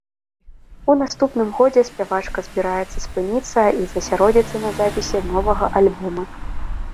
У наступным годзе спявачка збіраецца спыніцца і засяродзіцца на запісе новага альбома.